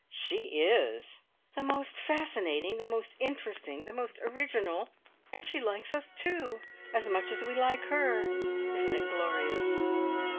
"She is!" "The most fascinating, the most interesting, the most original " "And she likes us, too! As much as we like her. Isn't it glorious?"